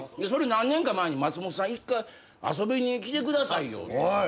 それ何年か前に「松本さん一回遊びに来てくださいよ」